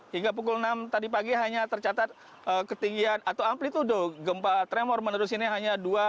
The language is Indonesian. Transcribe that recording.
hingga pukul enam tadi pagi hanya tercatat ketinggian atau amplitude gempa tremor menerus ini hanya dua